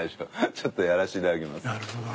ちょっとやらせて頂きます。